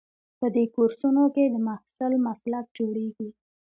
په دې کورسونو کې د محصل مسلک جوړیږي.